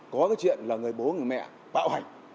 có cái chuyện là người bố người mẹ bạo hành